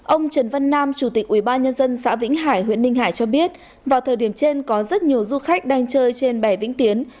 ông trần văn nam chủ tịch ubnd xã vĩnh hải huyện ninh hải cho biết vào thời điểm trên có rất nhiều du khách đang chơi trên bè vĩnh tiến